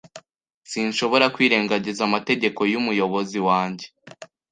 Sinshobora kwirengagiza amategeko y'umuyobozi wanjye.